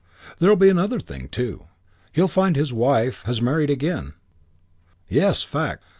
There'll be another thing too. He'll find his wife has married again. Yes, fact!